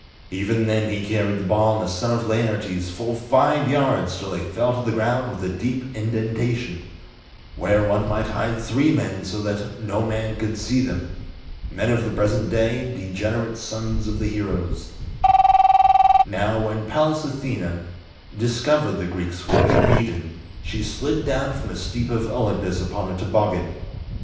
Even then he carried the ball and the son of Laertes Full five yards till they fell to the ground with a deep indentation Where one might hide three men so that no man could see them Men of the present day, degenerate sons of the heroes Now, when Pallas Athene discovered the Greeks would be beaten, She slid down from the steep of Olympus upon a toboggan.